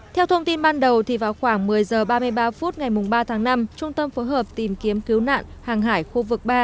theo thông tin ban đầu vào khoảng một mươi h ba mươi ba phút ngày ba tháng năm trung tâm phối hợp tìm kiếm cứu nạn hàng hải khu vực ba